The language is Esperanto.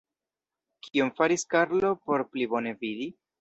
Kion faris Karlo por pli bone vidi?